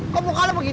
kok mukanya begitu